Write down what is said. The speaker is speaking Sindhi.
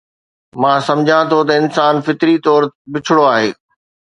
مان سمجهان ٿو ته انسان فطري طور بڇڙو آهي